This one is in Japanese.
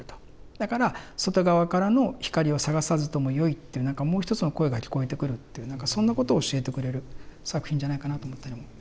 だから外側からの光を探さずともよいっていうなんかもう一つの声が聞こえてくるっていうそんなことを教えてくれる作品じゃないかなと思ったりもしてんですよね。